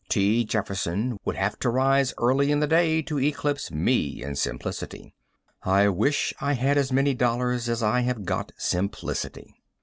T. Jefferson would have to rise early in the day to eclipse me in simplicity. I wish I had as many dollars as I have got simplicity.